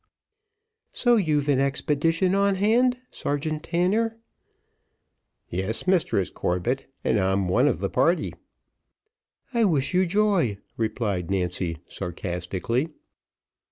"So, you've an expedition on hand, Sergeant Tanner." "Yes, Mistress Corbett, and I'm one of the party." "I wish you joy," replied Nancy, sarcastically.